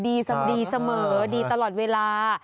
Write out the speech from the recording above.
ดีเสมอดีเสมอดีตลอดเวลา